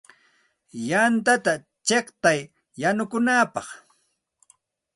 Yantata chiqtay yanukunapaq.